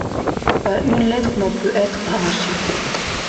Pas une lettre n'en peut être arrachée.